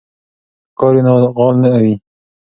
که کار وي نو غال نه وي.